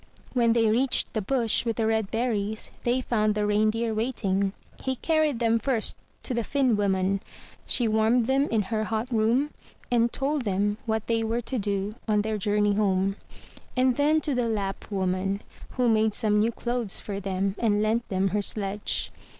When they reached the bush with the red berries, they found the Reindeer waiting. He carried them first to the Finn woman; she warmed them in her hot room, and told them what they were to do on their journey home; and then to the Lapp woman, who made some new clothes for them and lent them her sledge.